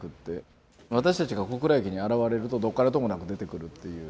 私たちが小倉駅に現れるとどこからともなく出てくるっていう。